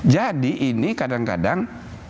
jadi ini kadang kadang